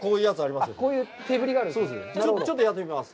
ちょっとやってみます。